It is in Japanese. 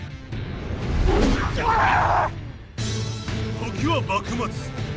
時は幕末。